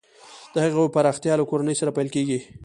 د هغو پراختیا له کورنۍ څخه پیل کیږي.